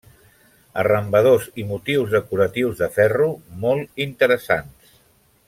Arrambadors i motius decoratius de ferro molt interessants.